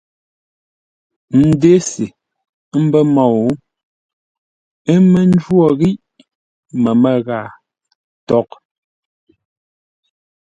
N ndese ə́ mbə́ môu, ə́ mə́ njwô ghíʼ məmə́ ghâa tôghʼ.